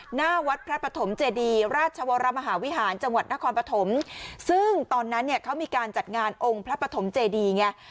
หน้าวัดพระปฐมเจดีราชวรมหาวิหารจังหวัดนครปฐมซึ่งตอนนั้นเนี่ยเขามีการจัดงานองค์พระปฐมเจดีไง